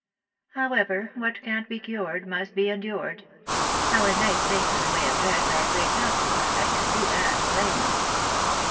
However, what can't be cured must be endured. Our nice things in the way of dress are a great help to us, I can see that plainly.